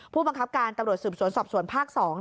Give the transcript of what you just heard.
ผู้บังคับการตำรวจสืบสวนสอบสวนภาค๒